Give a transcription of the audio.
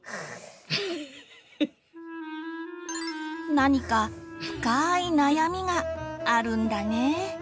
何か深ーい悩みがあるんだね。